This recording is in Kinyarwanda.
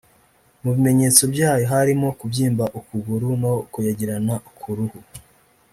Mu bimenyetso byayo harimo kubyimba ukuguru no kuyagirana ku ruhu